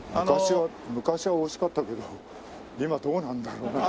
昔はおいしかったけど今どうなんだろう？